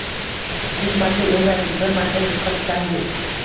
Yuz marta o‘ynaysiz, bir marta yutqazsangiz